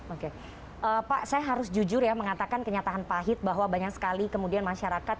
oke pak saya harus jujur ya mengatakan kenyataan pahit bahwa banyak sekali kemudian masyarakat